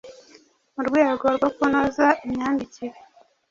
Mu rwego rwo kunoza imyandikire,